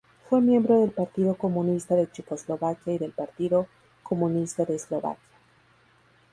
Fue miembro del Partido Comunista de Checoslovaquia y del Partido Comunista de Eslovaquia.